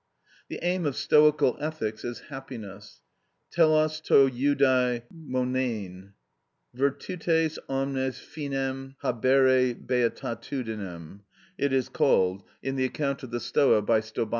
The aim of Stoical ethics is happiness: τελος το ευδαι μονειν (virtutes omnes finem habere beatitudinem) it is called in the account of the Stoa by Stobæus (Ecl.